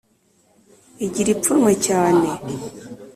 igira ipfunwe cyane